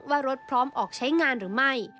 ว่ารถพร้อมออกใช้งานหรือไม่